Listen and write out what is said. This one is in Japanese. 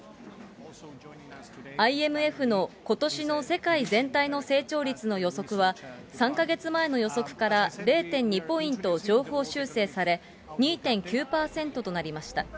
ＩＭＦのことしの世界全体の成長率の予測は、３か月前の予測から０．２ポイント上方修正され、２．９％となりました。